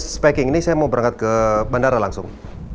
baru abis speaking ini saya mau berangkat ke bandara langsung